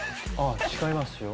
違いますよ。